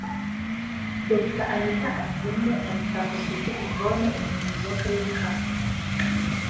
Dr Anita Asimwe na Mutakwasuku Yvonne Umuyobozi w’Akarere ka Muhanga